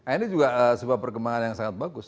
ini juga sebuah perkembangan yang sangat bagus